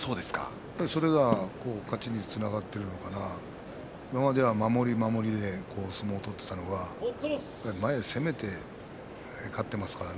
それが勝ちにつながっているのかなと今までは、守り、守りで相撲を取っていたのが前に攻めて勝っています。